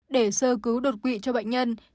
để sơ cứu đột quỵ cho bệnh nhân